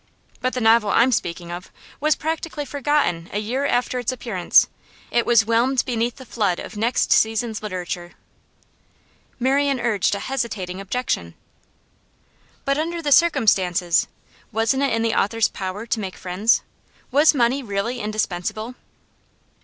But the novel I'm speaking of was practically forgotten a year after its appearance; it was whelmed beneath the flood of next season's literature.' Marian urged a hesitating objection. 'But, under the circumstances, wasn't it in the author's power to make friends? Was money really indispensable?